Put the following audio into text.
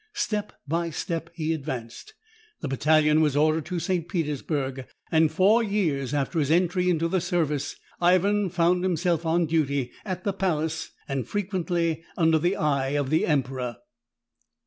Step by step he advanced; the battalion was ordered to St. Petersburg, and four years after his entry into the service Ivan found himself on duty at the palace, and frequently under the eye of the emperor.